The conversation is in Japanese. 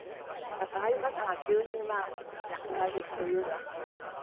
だからああいう方が急に亡くなるっていうのは。